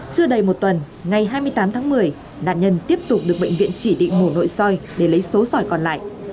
chưa đầy một tuần ngày hai mươi tám tháng một mươi nạn nhân tiếp tục được bệnh viện chỉ định mổ nội soi để lấy số sỏi còn lại